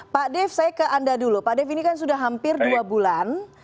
pak dev saya ke anda dulu pak dev ini kan sudah hampir dua bulan